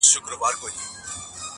همېشه به بېرېدى له جنرالانو؛